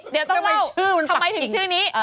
เดี๋ยวต้องเล่าทำไมถึงชื่อนี้